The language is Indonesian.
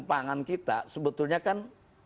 pangan kita sebetulnya kan